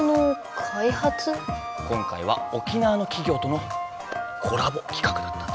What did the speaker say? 今回は沖縄のきぎょうとのコラボ企画だったんだ。